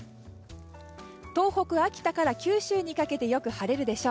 東北、秋田から九州にかけてよく晴れるでしょう。